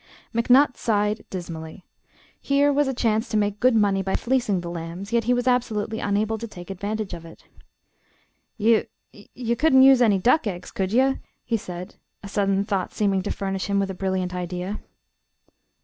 McNutt sighed dismally. Here was a chance to make good money by fleecing the lambs, yet he was absolutely unable to take advantage of it. "Ye ye couldn't use any duck eggs, could ye?" he said, a sudden thought seeming to furnish him with a brilliant idea.